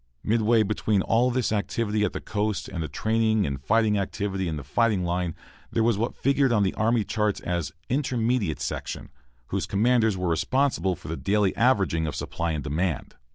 Midway between all this activity at the coast and the training and fighting activity at the fighting line there was what figured on the army charts as "Intermediate Section," whose commanders were responsible for the daily averaging of supply and demand.